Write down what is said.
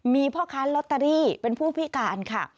มีพ่อค้าลอตเตอรี่เป็นผู้พิการค่ะ